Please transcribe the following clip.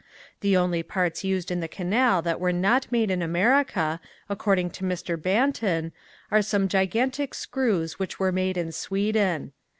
The only parts used in the canal that were not made in America, according to Mr. Banton, are some gigantic screws which were made in Sweden.